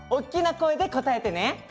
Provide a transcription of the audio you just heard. こえでこたえてね！